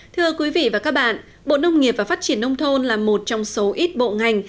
thưa quý vị và các bạn bộ nông nghiệp và phát triển nông thôn là một trong số ít bộ ngành